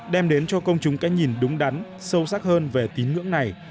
đem đến cho công chúng cái nhìn đúng đắn sâu sắc hơn về tín ngưỡng này